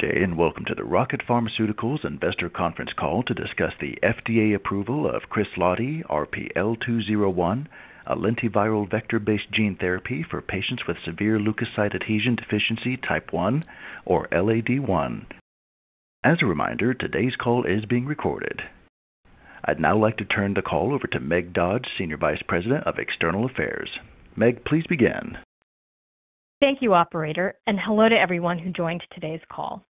Good day, and welcome to the Rocket Pharmaceuticals Investor Conference Call to discuss the FDA approval of KRESLADI, RP-L201, a lentiviral vector-based gene therapy for patients with severe leukocyte adhesion deficiency type I or LAD-I. As a reminder, today's call is being recorded. I'd now like to turn the call over to Meg Dodge, Senior Vice President of External Affairs. Meg, please begin. Thank you, operator, and hello to everyone who joined today's call.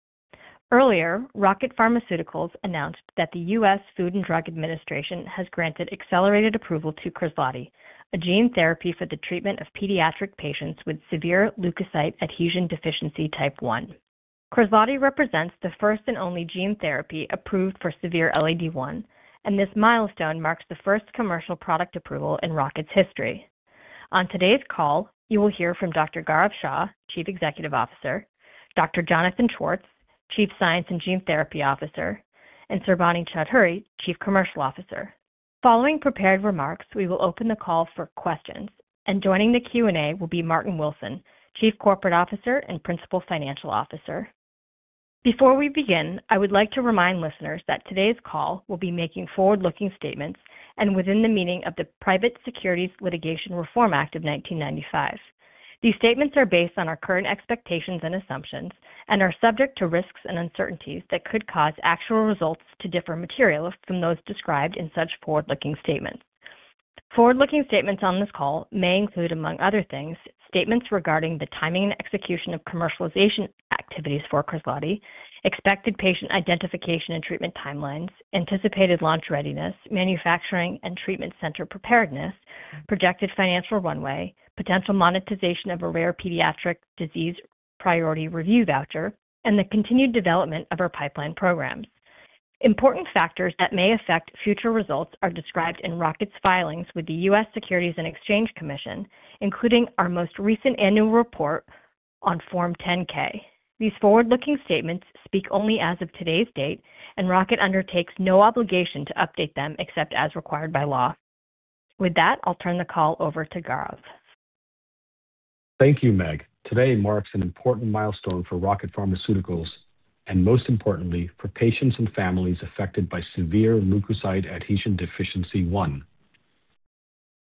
Earlier, Rocket Pharmaceuticals announced that the U.S. Food and Drug Administration has granted accelerated approval to KRESLADI, a gene therapy for the treatment of pediatric patients with severe leukocyte adhesion deficiency type I. KRESLADI represents the first and only gene therapy approved for severe LAD-I, and this milestone marks the first commercial product approval in Rocket's history. On today's call, you will hear from Dr. Gaurav Shah, Chief Executive Officer, Dr. Jonathan Schwartz, Chief Science and Gene Therapy Officer, and Sarbani Chaudhuri, Chief Commercial Officer. Following prepared remarks, we will open the call for questions, and joining the Q&A will be Martin Wilson, Chief Corporate Officer and Principal Financial Officer. Before we begin, I would like to remind listeners that today's call will be making forward-looking statements as within the meaning of the Private Securities Litigation Reform Act of 1995. These statements are based on our current expectations and assumptions and are subject to risks and uncertainties that could cause actual results to differ materially from those described in such forward-looking statements. Forward-looking statements on this call may include, among other things, statements regarding the timing and execution of commercialization activities for KRESLADI, expected patient identification and treatment timelines, anticipated launch readiness, manufacturing and treatment center preparedness, projected financial runway, potential monetization of a rare pediatric disease priority review voucher, and the continued development of our pipeline programs. Important factors that may affect future results are described in Rocket's filings with the U.S. Securities and Exchange Commission, including our most recent annual report on Form 10-K. These forward-looking statements speak only as of today's date, and Rocket undertakes no obligation to update them except as required by law. With that, I'll turn the call over to Gaurav. Thank you, Meg. Today marks an important milestone for Rocket Pharmaceuticals and, most importantly, for patients and families affected by severe leukocyte adhesion deficiency I.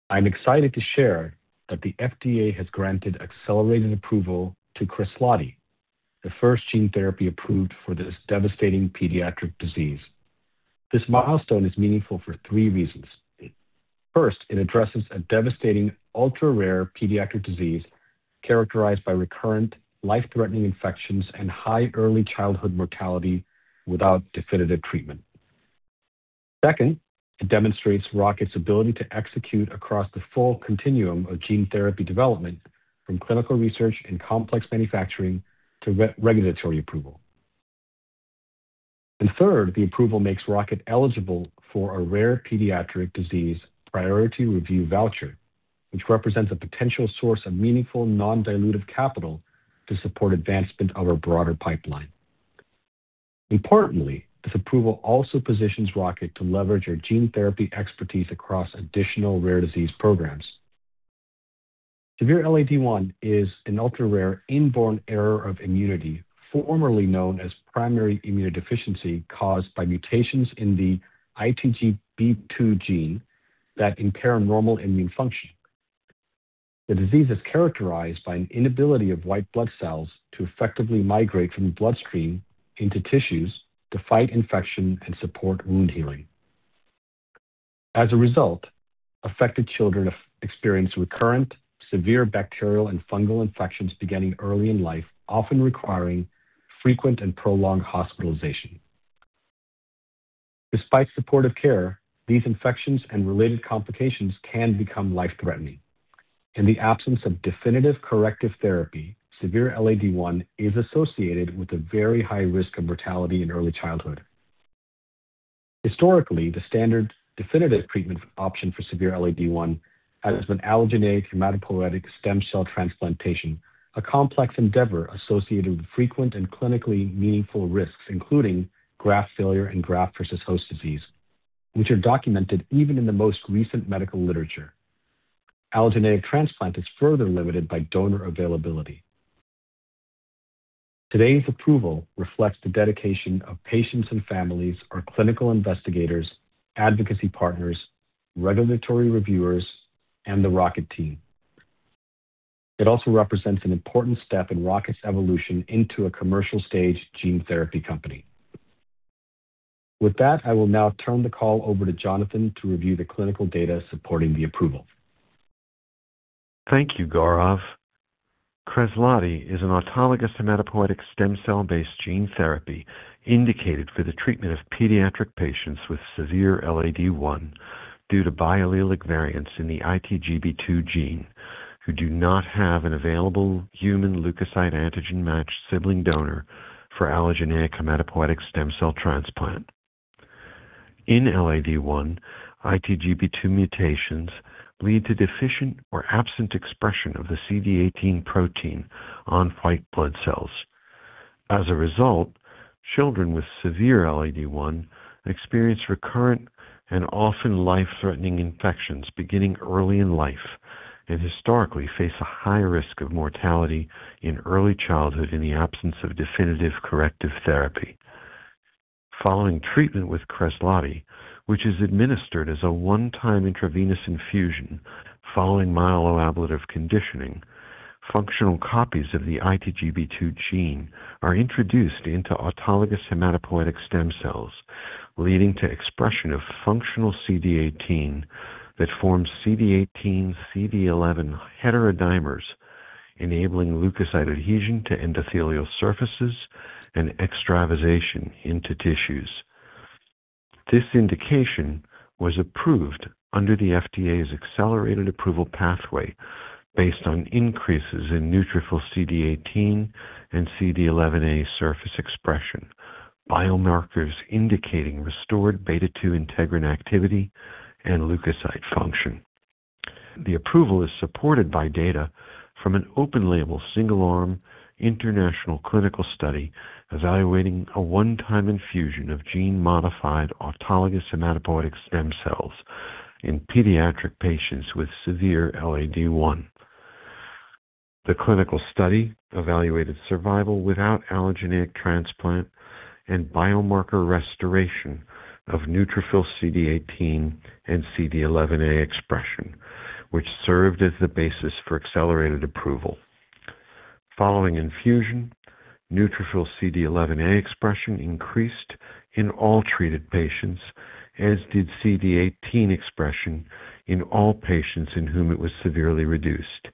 I'm excited to share that the FDA has granted accelerated approval to KRESLADI, the first gene therapy approved for this devastating pediatric disease. This milestone is meaningful for three reasons. First, it addresses a devastating ultra-rare pediatric disease characterized by recurrent life-threatening infections and high early childhood mortality without definitive treatment. Second, it demonstrates Rocket's ability to execute across the full continuum of gene therapy development, from clinical research and complex manufacturing to regulatory approval. Third, the approval makes Rocket eligible for a Rare Pediatric Disease Priority Review Voucher, which represents a potential source of meaningful non-dilutive capital to support advancement of our broader pipeline. Importantly, this approval also positions Rocket to leverage our gene therapy expertise across additional rare disease programs. Severe LAD-I is an ultra-rare inborn error of immunity, formerly known as primary immunodeficiency, caused by mutations in the ITGB2 gene that impair normal immune function. The disease is characterized by an inability of white blood cells to effectively migrate from the bloodstream into tissues to fight infection and support wound healing. As a result, affected children experience recurrent severe bacterial and fungal infections beginning early in life, often requiring frequent and prolonged hospitalization. Despite supportive care, these infections and related complications can become life-threatening. In the absence of definitive corrective therapy, severe LAD-I is associated with a very high risk of mortality in early childhood. Historically, the standard definitive treatment option for severe LAD-I has been allogeneic hematopoietic stem cell transplantation, a complex endeavor associated with frequent and clinically meaningful risks, including graft failure and graft-versus-host-disease, which are documented even in the most recent medical literature. Allogeneic transplant is further limited by donor availability. Today's approval reflects the dedication of patients and families, our clinical investigators, advocacy partners, regulatory reviewers, and the Rocket team. It also represents an important step in Rocket's evolution into a commercial stage gene therapy company. With that, I will now turn the call over to Jonathan to review the clinical data supporting the approval. Thank you, Gaurav. KRESLADI is an autologous hematopoietic stem cell-based gene therapy indicated for the treatment of pediatric patients with severe LAD-I due to biallelic variants in the ITGB2 gene who do not have an available human leukocyte antigen-matched sibling donor for allogeneic hematopoietic stem cell transplant. In LAD-I, ITGB2 mutations lead to deficient or absent expression of the CD18 protein on white blood cells. As a result, children with severe LAD-I experience recurrent and often life-threatening infections beginning early in life, and historically face a high risk of mortality in early childhood in the absence of definitive corrective therapy. Following treatment with KRESLADI, which is administered as a one-time intravenous infusion following myeloablative conditioning, functional copies of the ITGB2 gene are introduced into autologous hematopoietic stem cells, leading to expression of functional CD18 that forms CD18-CD11 heterodimers, enabling leukocyte adhesion to endothelial surfaces and extravasation into tissues. This indication was approved under the FDA's accelerated approval pathway based on increases in neutrophil CD18 and CD11a surface expression, biomarkers indicating restored beta-2 integrin activity and leukocyte function. The approval is supported by data from an open-label, single-arm international clinical study evaluating a one-time infusion of gene-modified autologous hematopoietic stem cells in pediatric patients with severe LAD-I. The clinical study evaluated survival without allogeneic transplant and biomarker restoration of neutrophil CD18 and CD11a expression, which served as the basis for accelerated approval. Following infusion, neutrophil CD11a expression increased in all treated patients, as did CD18 expression in all patients in whom it was severely reduced,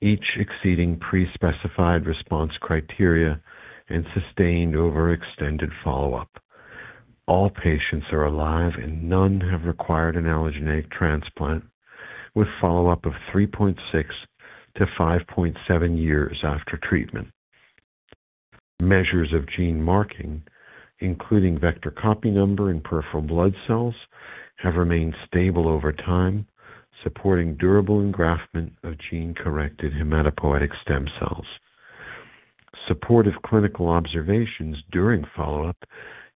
each exceeding pre-specified response criteria and sustained over extended follow-up. All patients are alive and none have required an allogeneic transplant, with follow-up of 3.6-5.7 years after treatment. Measures of gene marking, including vector copy number in peripheral blood cells, have remained stable over time, supporting durable engraftment of gene-corrected hematopoietic stem cells. Supportive clinical observations during follow-up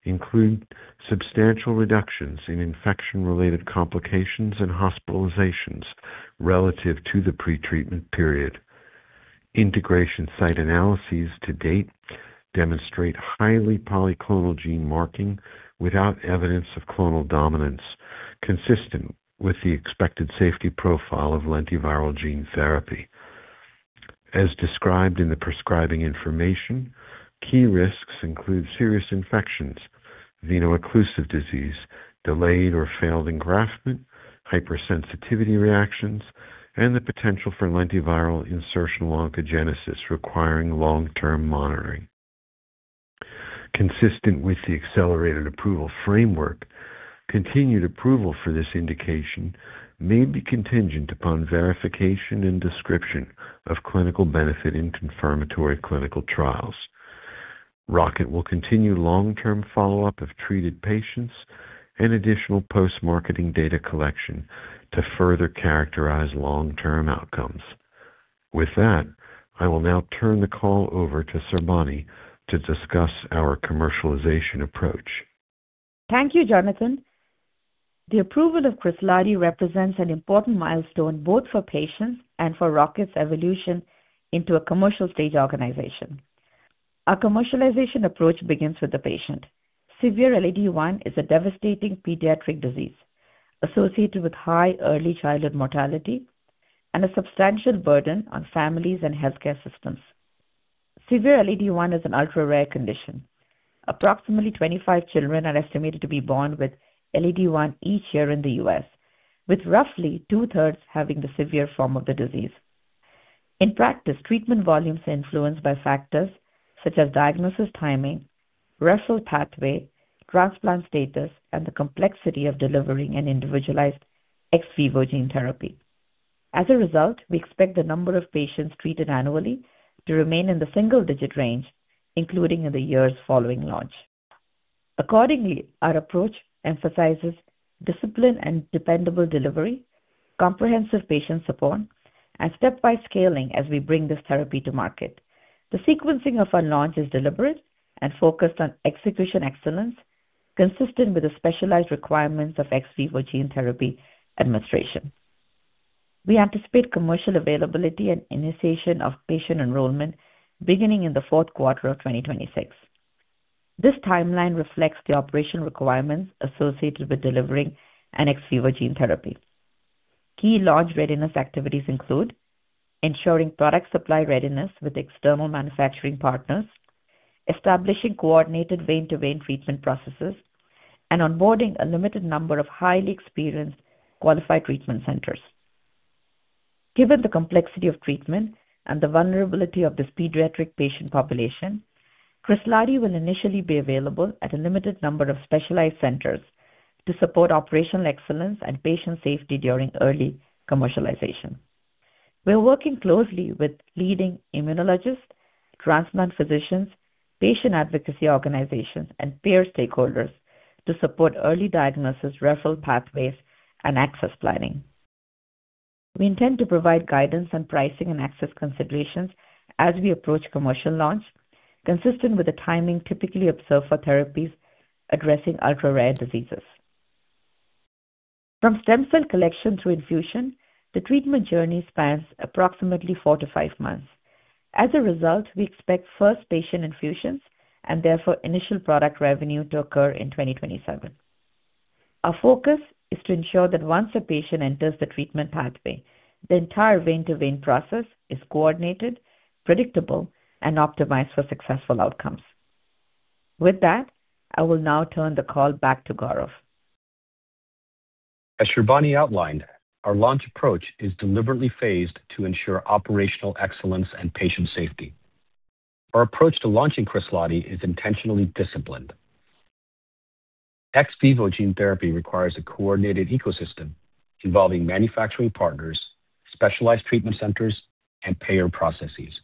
include substantial reductions in infection-related complications and hospitalizations relative to the pretreatment period. Integration site analyses to date demonstrate highly polyclonal gene marking without evidence of clonal dominance, consistent with the expected safety profile of lentiviral gene therapy. As described in the prescribing information, key risks include serious infections, veno-occlusive disease, delayed or failed engraftment, hypersensitivity reactions, and the potential for lentiviral insertional oncogenesis requiring long-term monitoring. Consistent with the accelerated approval framework, continued approval for this indication may be contingent upon verification and description of clinical benefit in confirmatory clinical trials. Rocket will continue long-term follow-up of treated patients and additional post-marketing data collection to further characterize long-term outcomes. With that, I will now turn the call over to Sarbani to discuss our commercialization approach. Thank you, Jonathan. The approval of KRESLADI represents an important milestone both for patients and for Rocket's evolution into a commercial stage organization. Our commercialization approach begins with the patient. Severe LAD-I is a devastating pediatric disease associated with high early childhood mortality and a substantial burden on families and healthcare systems. Severe LAD-I is an ultra-rare condition. Approximately 25 children are estimated to be born with LAD-I each year in the U.S., with roughly 2/3 having the severe form of the disease. In practice, treatment volumes are influenced by factors such as diagnosis timing, referral pathway, transplant status, and the complexity of delivering an individualized ex vivo gene therapy. As a result, we expect the number of patients treated annually to remain in the single-digit range, including in the years following launch. Accordingly, our approach emphasizes discipline and dependable delivery, comprehensive patient support, and step-by scaling as we bring this therapy to market. The sequencing of our launch is deliberate and focused on execution excellence consistent with the specialized requirements of ex vivo gene therapy administration. We anticipate commercial availability and initiation of patient enrollment beginning in the fourth quarter of 2026. This timeline reflects the operational requirements associated with delivering an ex vivo gene therapy. Key launch readiness activities include ensuring product supply readiness with external manufacturing partners, establishing coordinated vein-to-vein treatment processes, and onboarding a limited number of highly experienced qualified treatment centers. Given the complexity of treatment and the vulnerability of this pediatric patient population, KRESLADI will initially be available at a limited number of specialized centers to support operational excellence and patient safety during early commercialization. We are working closely with leading immunologists, transplant physicians, patient advocacy organizations, and payer stakeholders to support early diagnosis, referral pathways, and access planning. We intend to provide guidance on pricing and access considerations as we approach commercial launch, consistent with the timing typically observed for therapies addressing ultra-rare diseases. From stem cell collection to infusion, the treatment journey spans approximately four to five months. As a result, we expect first patient infusions and therefore initial product revenue to occur in 2027. Our focus is to ensure that once a patient enters the treatment pathway, the entire vein-to-vein process is coordinated, predictable, and optimized for successful outcomes. With that, I will now turn the call back to Gaurav. As Sarbani outlined, our launch approach is deliberately phased to ensure operational excellence and patient safety. Our approach to launching KRESLADI is intentionally disciplined. Ex vivo gene therapy requires a coordinated ecosystem involving manufacturing partners, specialized treatment centers, and payer processes.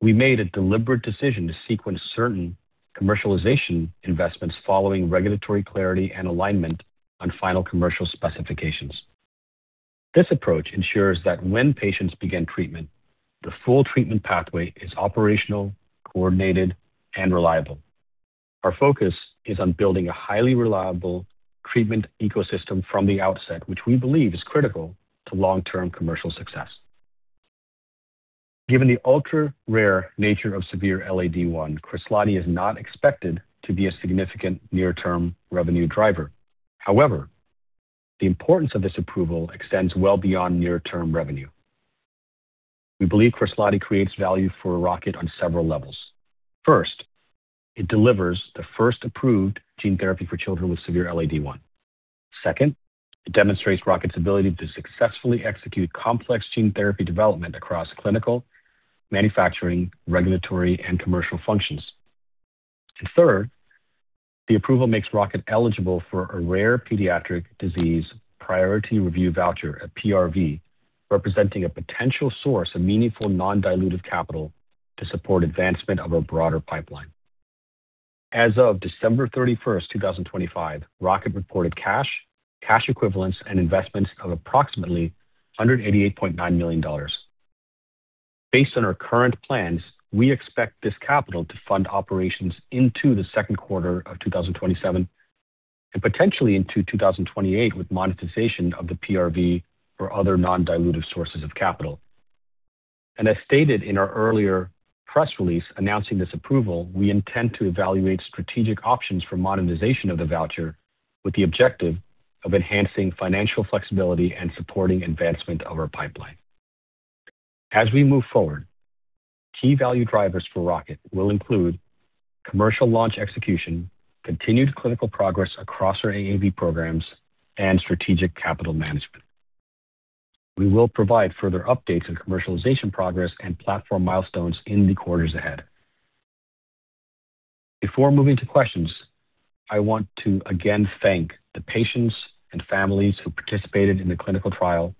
We made a deliberate decision to sequence certain commercialization investments following regulatory clarity and alignment on final commercial specifications. This approach ensures that when patients begin treatment, the full treatment pathway is operational, coordinated, and reliable. Our focus is on building a highly reliable treatment ecosystem from the outset, which we believe is critical to long-term commercial success. Given the ultra-rare nature of severe LAD-I, KRESLADI is not expected to be a significant near-term revenue driver. However, the importance of this approval extends well beyond near-term revenue. We believe KRESLADI creates value for Rocket on several levels. First, it delivers the first approved gene therapy for children with severe LAD-I. Second, it demonstrates Rocket's ability to successfully execute complex gene therapy development across clinical, manufacturing, regulatory, and commercial functions. Third, the approval makes Rocket eligible for a rare pediatric disease priority review voucher, a PRV, representing a potential source of meaningful non-dilutive capital to support advancement of our broader pipeline. As of December 31st, 2025, Rocket reported cash, cash equivalents, and investments of approximately $188.9 million. Based on our current plans, we expect this capital to fund operations into the second quarter of 2027, and potentially into 2028 with monetization of the PRV or other non-dilutive sources of capital. As stated in our earlier press release announcing this approval, we intend to evaluate strategic options for monetization of the voucher with the objective of enhancing financial flexibility and supporting advancement of our pipeline. As we move forward, key value drivers for Rocket will include commercial launch execution, continued clinical progress across our AAV programs, and strategic capital management. We will provide further updates on commercialization progress and platform milestones in the quarters ahead. Before moving to questions, I want to again thank the patients and families who participated in the clinical trial,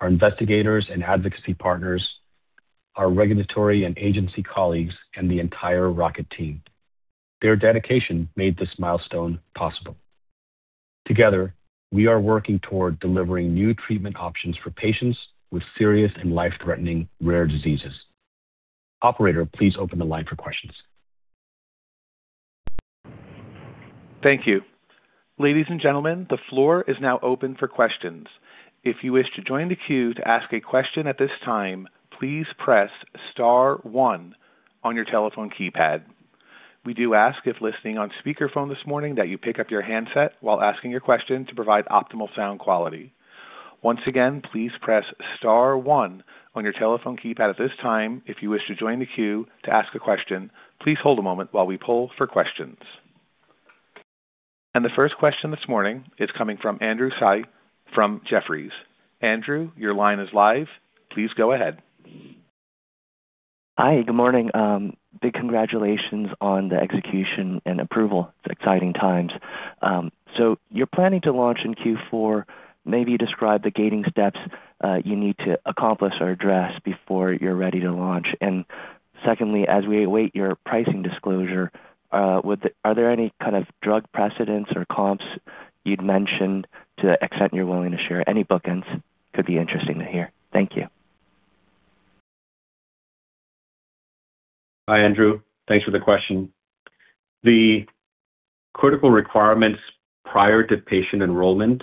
our investigators and advocacy partners, our regulatory and agency colleagues, and the entire Rocket team. Their dedication made this milestone possible. Together, we are working toward delivering new treatment options for patients with serious and life-threatening rare diseases. Operator, please open the line for questions. Thank you. Ladies and gentlemen, the floor is now open for questions. If you wish to join the queue to ask a question at this time, please press star one on your telephone keypad. We do ask, if listening on speakerphone this morning, that you pick up your handset while asking your question to provide optimal sound quality. Once again, please press star one on your telephone keypad at this time if you wish to join the queue to ask a question. Please hold a moment while we poll for questions. The first question this morning is coming from Andrew Tsai from Jefferies. Andrew, your line is live. Please go ahead. Hi. Good morning. Big congratulations on the execution and approval. It's exciting times. You're planning to launch in Q4. Maybe describe the gating steps you need to accomplish or address before you're ready to launch. Secondly, as we await your pricing disclosure, are there any kind of drug precedents or comps you'd mention to the extent you're willing to share? Any bookends could be interesting to hear. Thank you. Hi, Andrew. Thanks for the question. The critical requirements prior to patient enrollment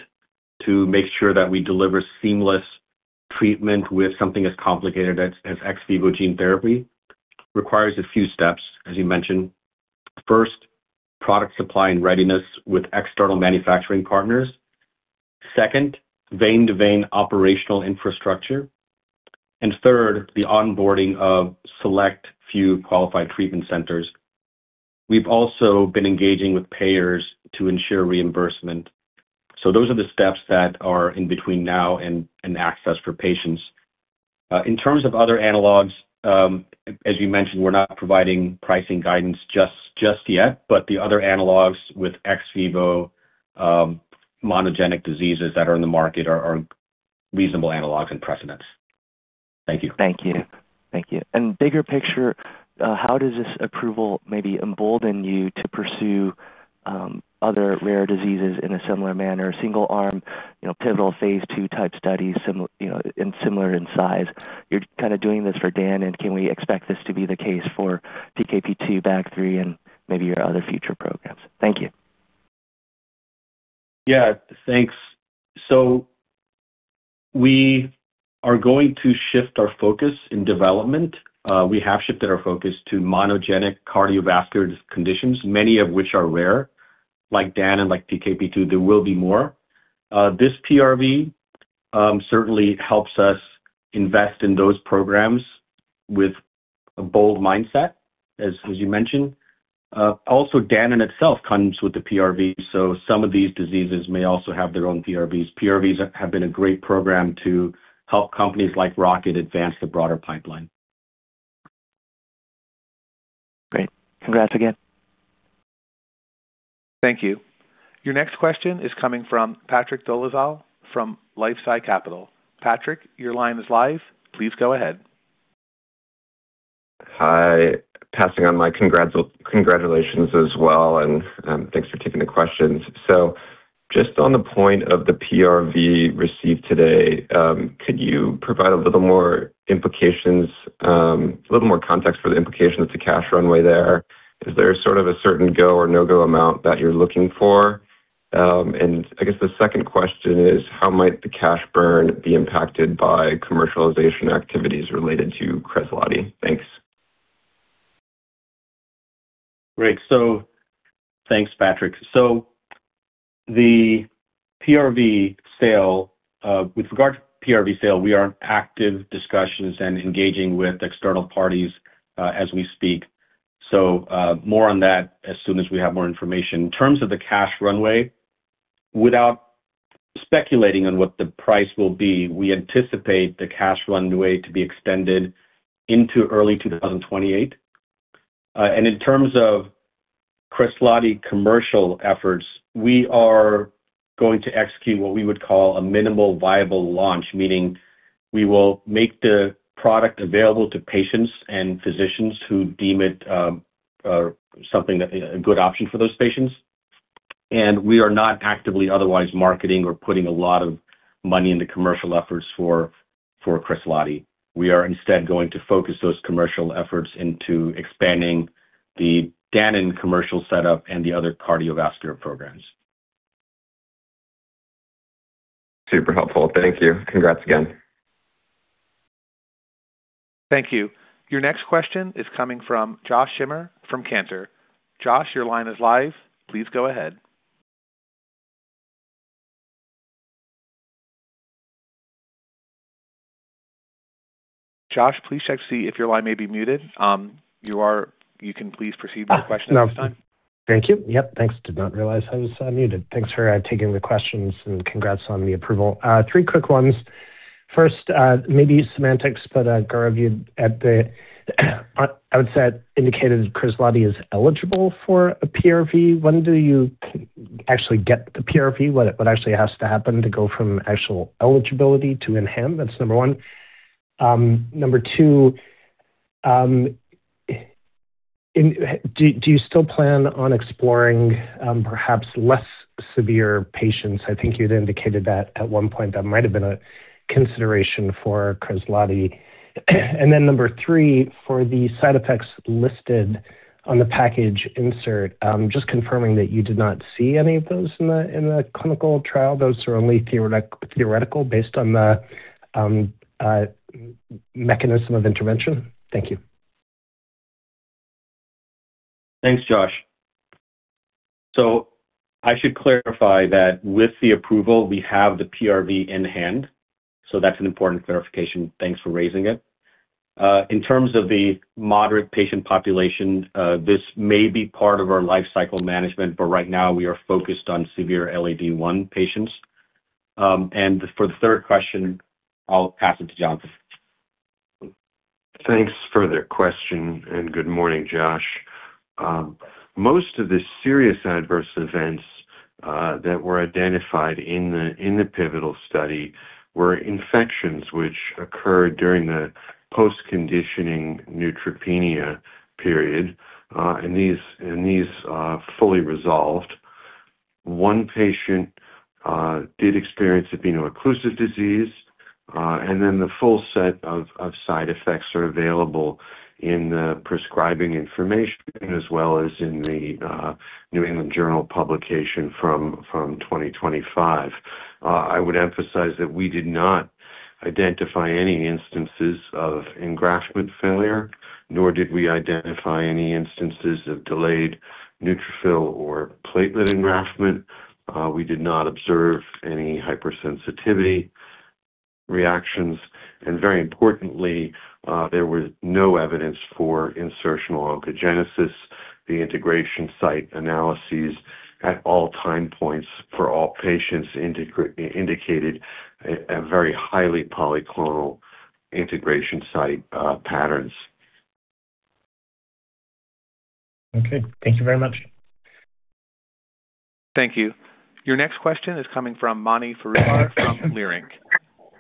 to make sure that we deliver seamless treatment with something as complicated as ex vivo gene therapy requires a few steps, as you mentioned. First, product supply and readiness with external manufacturing partners. Second, vein-to-vein operational infrastructure. Third, the onboarding of select few qualified treatment centers. We've also been engaging with payers to ensure reimbursement. Those are the steps that are in between now and access for patients. In terms of other analogs, as you mentioned, we're not providing pricing guidance just yet, but the other analogs with ex vivo monogenic diseases that are in the market are reasonable analogs and precedents. Thank you. Thank you. Bigger picture, how does this approval maybe embolden you to pursue other rare diseases in a similar manner? Single arm, you know, pivotal phase II type studies, you know, and similar in size. You're kinda doing this for Danon, and can we expect this to be the case for PKP2, BAG3, and maybe your other future programs? Thank you. Yeah, thanks. We are going to shift our focus in development. We have shifted our focus to monogenic cardiovascular conditions, many of which are rare, like Danon and like PKP2. There will be more. This PRV certainly helps us invest in those programs with a bold mindset, as you mentioned. Also Danon itself comes with the PRV, so some of these diseases may also have their own PRVs. PRVs have been a great program to help companies like Rocket advance the broader pipeline. Great. Congrats again. Thank you. Your next question is coming from Patrick Dolezal from LifeSci Capital. Patrick, your line is live. Please go ahead. Hi. Passing on my congratulations as well, and thanks for taking the questions. Just on the point of the PRV received today, could you provide a little more implications, a little more context for the implications of cash runway there? Is there sort of a certain go or no-go amount that you're looking for? I guess the second question is how might the cash burn be impacted by commercialization activities related to KRESLADI? Thanks. Great. Thanks, Patrick. The PRV sale, with regards to PRV sale, we are in active discussions and engaging with external parties, as we speak. More on that as soon as we have more information. In terms of the cash runway, without speculating on what the price will be, we anticipate the cash runway to be extended into early 2028. In terms of KRESLADI commercial efforts, we are going to execute what we would call a minimal viable launch. Meaning we will make the product available to patients and physicians who deem it something, a good option for those patients. We are not actively otherwise marketing or putting a lot of money into commercial efforts for KRESLADI. We are instead going to focus those commercial efforts into expanding the Danon commercial setup and the other cardiovascular programs. Super helpful. Thank you. Congrats again. Thank you. Your next question is coming from Josh Schimmer from Cantor. Josh, your line is live. Please go ahead. Josh, please check to see if your line may be muted. You can please proceed with your question at this time. Thank you. Yep, thanks. Did not realize I was muted. Thanks for taking the questions, and congrats on the approval. Three quick ones. First, maybe semantics, but, Gaurav, you said the indicated KRESLADI is eligible for a PRV. When do you actually get the PRV? What actually has to happen to go from actual eligibility to in hand? That's number one. Number two, do you still plan on exploring, perhaps less severe patients? I think you'd indicated that at one point that might have been a consideration for KRESLADI. Number three, for the side effects listed on the package insert, just confirming that you did not see any of those in the clinical trial. Those are only theoretical based on the mechanism of intervention. Thank you. Thanks, Josh. I should clarify that with the approval, we have the PRV in hand, so that's an important clarification. Thanks for raising it. In terms of the moderate patient population, this may be part of our lifecycle management, but right now we are focused on severe LAD-I patients. For the third question, I'll pass it to Jon. Thanks for the question and good morning, Josh. Most of the serious adverse events that were identified in the pivotal study were infections which occurred during the post-conditioning neutropenia period, and these are fully resolved. One patient did experience veno-occlusive disease, and then the full set of side effects are available in the prescribing information as well as in the New England Journal publication from 2025. I would emphasize that we did not identify any instances of engraftment failure, nor did we identify any instances of delayed neutrophil or platelet engraftment. We did not observe any hypersensitivity reactions, and very importantly, there was no evidence for insertional oncogenesis. The integration site analyses at all time points for all patients indicated a very highly polyclonal integration site patterns. Okay. Thank you very much. Thank you. Your next question is coming from Mani Foroohar from Leerink.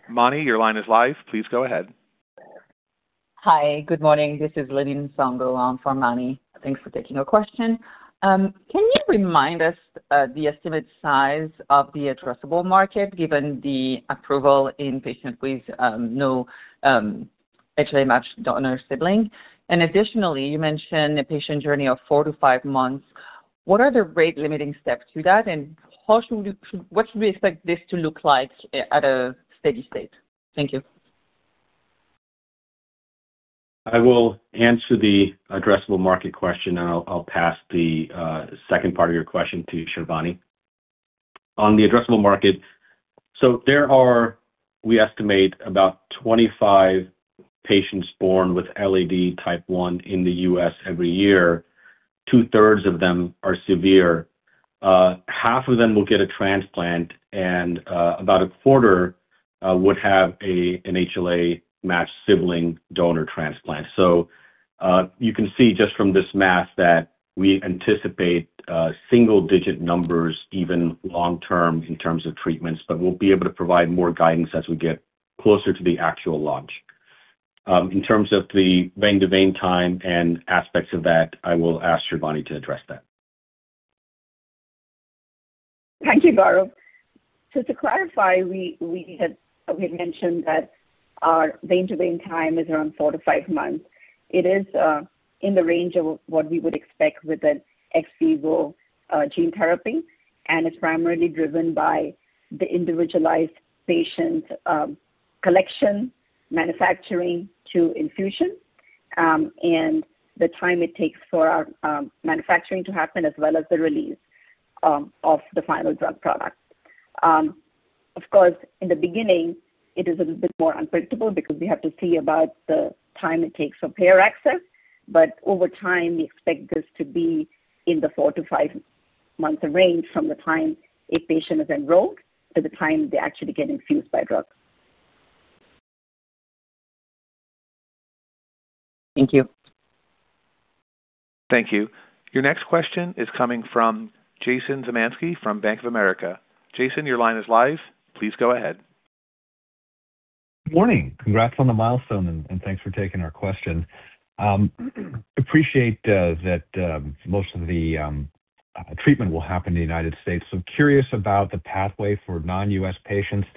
Mani, your line is live. Please go ahead. Hi. Good morning. This is Lili Nsongo, on for Mani. Thanks for taking our question. Can you remind us the estimated size of the addressable market given the approval in patient with no HLA-matched donor sibling. Additionally, you mentioned a patient journey of four to five months. What are the rate-limiting steps to that, and what should we expect this to look like at a steady state? Thank you. I will answer the addressable market question, and I'll pass the second part of your question to Sarbani. On the addressable market, there are, we estimate, about 25 patients born with LAD type I in the U.S. every year. Two-thirds of them are severe. Half of them will get a transplant, and about a quarter would have an HLA-matched sibling donor transplant. You can see just from this math that we anticipate single-digit numbers even long term in terms of treatments, but we'll be able to provide more guidance as we get closer to the actual launch. In terms of the vein to vein time and aspects of that, I will ask Sarbani to address that. Thank you, Gaurav. To clarify, we had mentioned that our vein-to-vein time is around four to five months. It is in the range of what we would expect with an ex vivo gene therapy, and it's primarily driven by the individualized patient collection, manufacturing to infusion, and the time it takes for our manufacturing to happen as well as the release of the final drug product. Of course, in the beginning it is a little bit more unpredictable because we have to see about the time it takes for payer access, but over time, we expect this to be in the four- to five-month range from the time a patient is enrolled to the time they actually get infused with drug. Thank you. Thank you. Your next question is coming from Jason Zemansky from Bank of America. Jason, your line is live. Please go ahead. Morning. Congrats on the milestone and thanks for taking our question. Appreciate that most of the treatment will happen in the United States. Curious about the pathway for non-U.S. patients,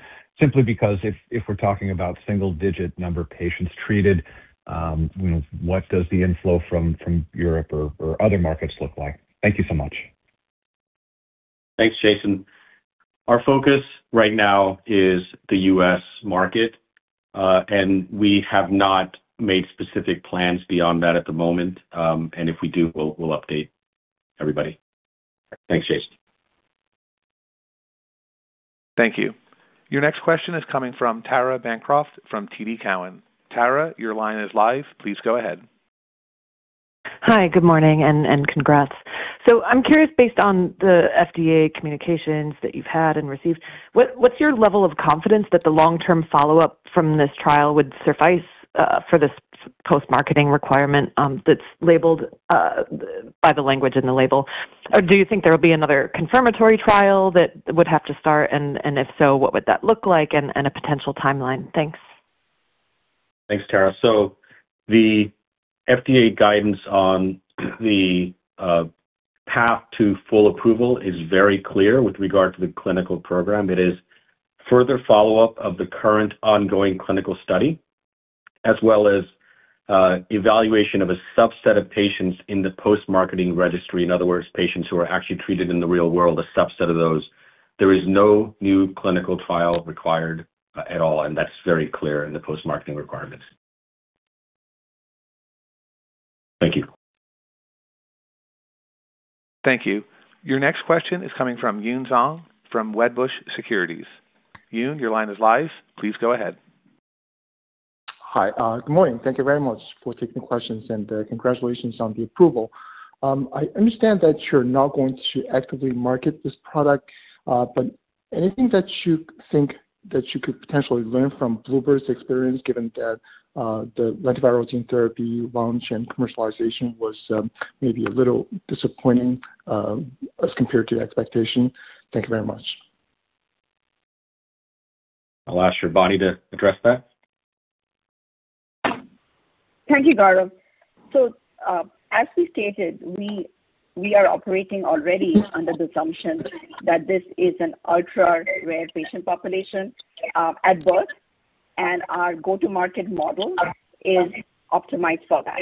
simply because if we're talking about single-digit number of patients treated, you know, what does the inflow from Europe or other markets look like? Thank you so much. Thanks, Jason. Our focus right now is the U.S. market, and we have not made specific plans beyond that at the moment, and if we do, we'll update everybody. Thanks, Jason. Thank you. Your next question is coming from Tara Bancroft from TD Cowen. Tara, your line is live. Please go ahead. Hi. Good morning and congrats. I'm curious, based on the FDA communications that you've had and received, what's your level of confidence that the long-term follow-up from this trial would suffice for this post-marketing requirement that's labeled by the language in the label? Or do you think there will be another confirmatory trial that would have to start, and if so, what would that look like and a potential timeline? Thanks. Thanks, Tara. The FDA guidance on the path to full approval is very clear with regard to the clinical program. It is further follow-up of the current ongoing clinical study as well as evaluation of a subset of patients in the post-marketing registry. In other words, patients who are actually treated in the real world, a subset of those. There is no new clinical trial required at all, and that's very clear in the post-marketing requirements. Thank you. Thank you. Your next question is coming from Yun Zhong from Wedbush Securities. Yun, your line is live. Please go ahead. Hi. Good morning. Thank you very much for taking the questions and congratulations on the approval. I understand that you're not going to actively market this product, but anything that you think that you could potentially learn from bluebird's experience given that the lentiviral gene therapy launch and commercialization was, maybe a little disappointing, as compared to expectation? Thank you very much. I'll ask Sarbani Chaudhuri to address that. Thank you, Gaurav. As we stated, we are operating already under the assumption that this is an ultra-rare patient population at birth, and our go-to-market model is optimized for that.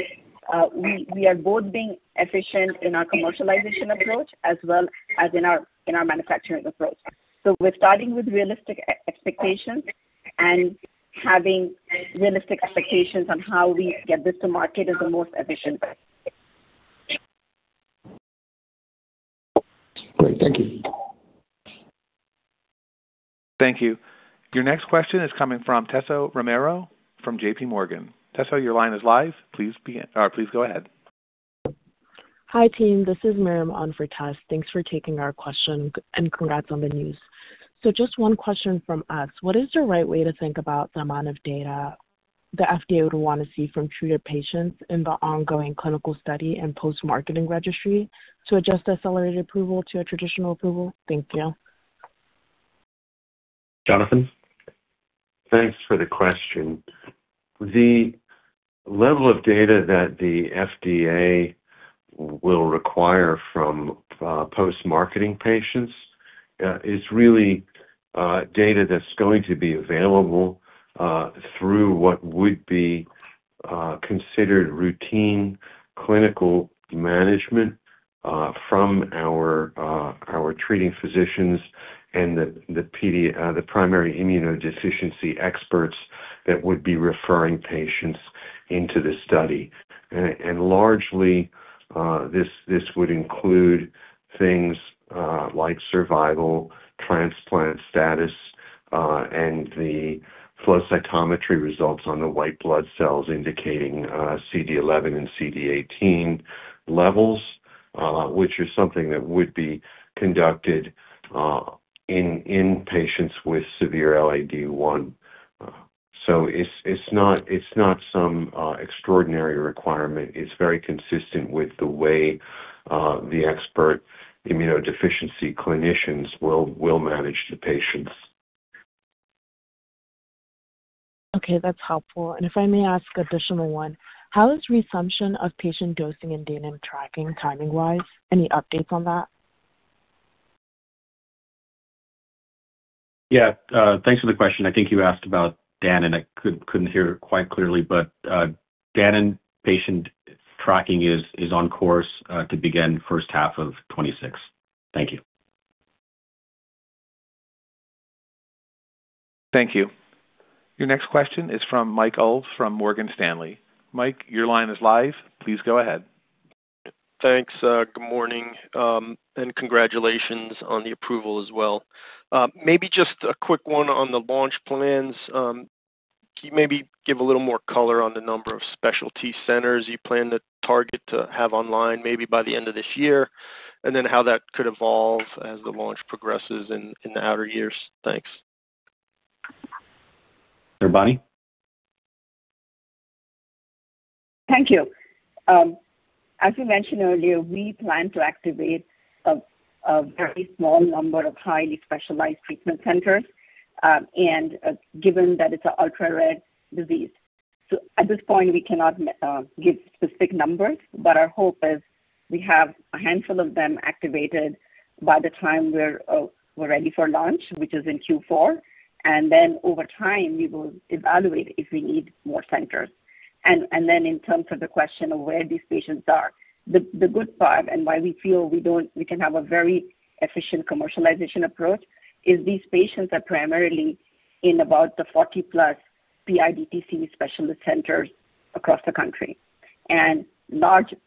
We are both being efficient in our commercialization approach as well as in our manufacturing approach. We're starting with realistic expectations and having realistic expectations on how we get this to market in the most efficient way. Great. Thank you. Thank you. Your next question is coming from Tessa Romero from JPMorgan. Tessa, your line is live. Please go ahead. Hi, team. This is [Miriam] on for Tess. Thanks for taking our question, and congrats on the news. Just one question from us. What is the right way to think about the amount of data the FDA would wanna see from treated patients in the ongoing clinical study and post-marketing registry to adjust Accelerated Approval to a traditional approval? Thank you. Jonathan? Thanks for the question. The level of data that the FDA will require from post-marketing patients is really data that's going to be available through what would be considered routine clinical management from our treating physicians and the primary immunodeficiency experts that would be referring patients into the study. Largely, this would include things like survival, transplant status, and the flow cytometry results on the white blood cells indicating CD11 and CD18 levels, which is something that would be conducted in patients with severe LAD-I. So it's not some extraordinary requirement. It's very consistent with the way the expert immunodeficiency clinicians will manage the patients. Okay, that's helpful. If I may ask additional one, how is resumption of patient dosing and Danon tracking timing-wise? Any updates on that? Yeah. Thanks for the question. I think you asked about Danon, and I couldn't hear quite clearly, but Danon patient tracking is on course to begin first half of 2026. Thank you. Thank you. Your next question is from Mike Ulz from Morgan Stanley. Mike, your line is live. Please go ahead. Thanks. Good morning, and congratulations on the approval as well. Maybe just a quick one on the launch plans. Can you maybe give a little more color on the number of specialty centers you plan to target to have online maybe by the end of this year, and then how that could evolve as the launch progresses in the outer years? Thanks. Sarbani? Thank you. As you mentioned earlier, we plan to activate a very small number of highly specialized treatment centers, and given that it's an ultra-rare disease. At this point, we cannot give specific numbers, but our hope is we have a handful of them activated by the time we're ready for launch, which is in Q4. Then over time, we will evaluate if we need more centers. Then in terms of the question of where these patients are, the good part and why we feel we can have a very efficient commercialization approach is these patients are primarily in about the 40+ PIDTC specialist centers across the country. Largely,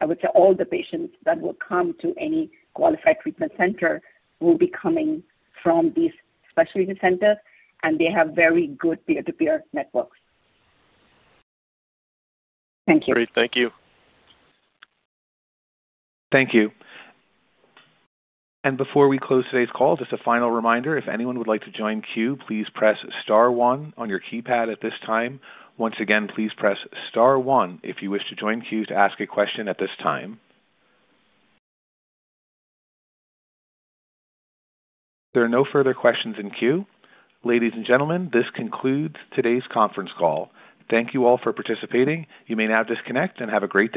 I would say all the patients that will come to any qualified treatment center will be coming from these specialty centers, and they have very good peer-to-peer networks. Thank you. Great. Thank you. Thank you. Before we close today's call, just a final reminder, if anyone would like to join queue, please press star one on your keypad at this time. Once again, please press star one if you wish to join queues to ask a question at this time. There are no further questions in queue. Ladies and gentlemen, this concludes today's conference call. Thank you all for participating. You may now disconnect and have a great day.